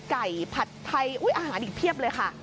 ผัดไทยอาหารอีกเพียบเลยค่ะ